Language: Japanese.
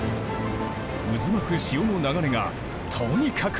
渦巻く潮の流れがとにかく速い。